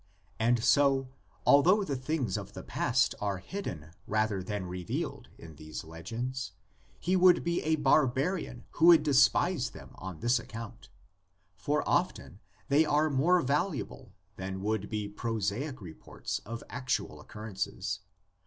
And so, although the things of the past are hidden rather than revealed in these legends, he would be a barbarian who would despise them on this account, for often they are more valuable than would be prosaic reports of actual occurrences.